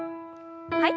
はい。